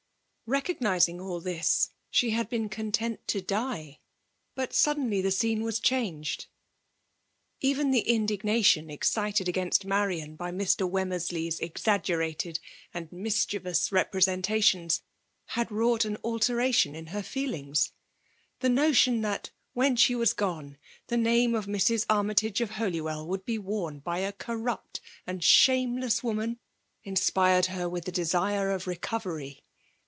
BeoDgnizing all this> ahe had been cont^il to die; but suddenly the scene was changed. Even {he indignation excited against Maiian by Mr. Wemmersley s exaggerated and mitf* chievous representationsy had wrought an alte ration in her feelings. The notion that, when she was gone, the name of Mrs. Armytage of Holywell would be worn by a corrupt and shameless woman, inspired her with the desire of recovery.